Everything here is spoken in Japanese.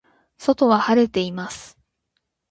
外は晴れています。